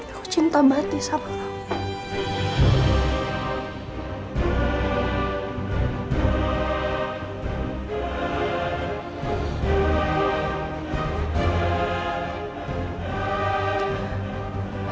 aku cinta mati sama kamu